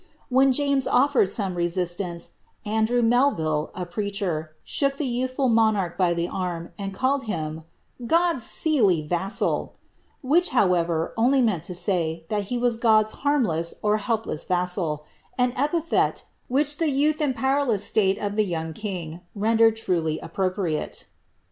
When James offered some resistance, Andrew Melville, a preaciier, shook the youthful monarch by the arm, and called him ^ God's sceJ^f vassal," which, however, only meant to say, that he was God's harmless or helpless vassal, an epithet which the youth and powerless state of the young king rendered truly appropriate.